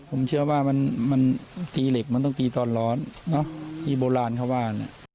ผมเชื่อว่ามันตีเหล็กมันต้องตีตอนร้อนที่โบราณเขาว่า